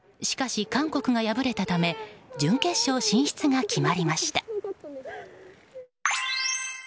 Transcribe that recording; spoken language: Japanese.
しかし韓国が敗れたため準決勝進出が決まりました。